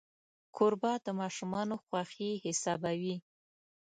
کوربه د ماشومانو خوښي حسابوي.